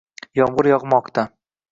Yomg’ir yog’moqda